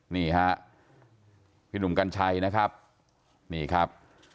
นี่ฮะพี่หนุ่มกัญชัยนะครับนี่ครับ